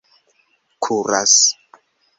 kuras